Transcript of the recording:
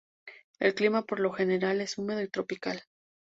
El clima por lo general es húmedo y tropical.